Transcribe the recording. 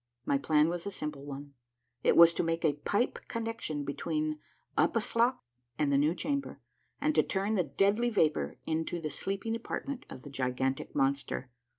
My plan was a simple one : it was to make a pipe connection between Uphaslok and the new chamber, and to turn the deadly vapor into the sleeping apartment of the gigantic monster.